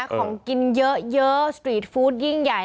ของกินเยอะสตรีทฟู้ดยิ่งใหญ่